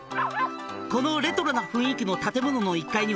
「このレトロな雰囲気の」